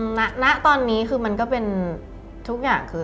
ณตอนนี้คือมันก็เป็นทุกอย่างคือ